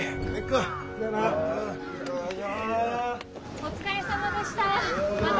お疲れさまでした。